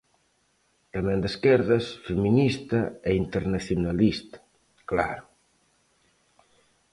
Tamén de esquerdas, feminista e internacionalista, claro.